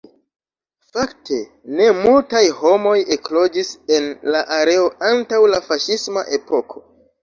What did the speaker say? Fakte, ne multaj homoj ekloĝis en la areo antaŭ la faŝisma epoko.